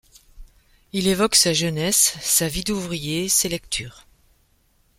Il évoque sa jeunesse, sa vie d’ouvrier, ses lectures.